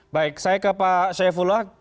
baik saya ke pak syaifullah